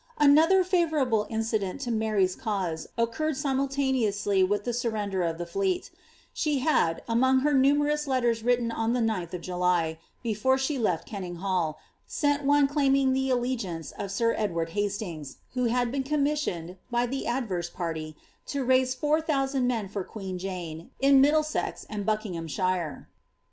Another favourable incident to Mary's cause occurred siaiultaneoulr with the surrender of the fleet She had, among her numerous letten Written on the 9th of July, before she lefl Kenninghall, sent one claim ing the allegiance of sir Edward Hastings,* who had been commissioned, by the adverse party, to raise four thousand men for queen Jane, in Mid dlesex and Buckinghamshire.